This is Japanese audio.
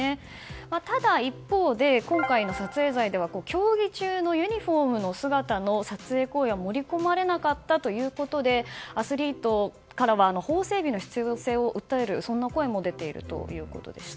ただ一方で、今回の撮影罪では競技中のユニホームの姿の撮影行為は盛り込まれなかったということでアスリートからは法整備の必要性を訴えるそんな声も出ているということでした。